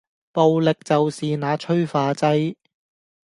暴力就是那催化劑